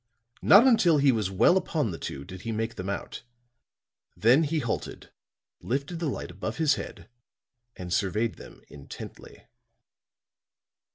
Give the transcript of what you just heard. Not until he was well upon the two did he make them out; then he halted, lifted the light above his head and surveyed them intently.